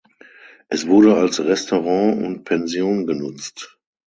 Es wurde als Restaurant und Pension genutzt.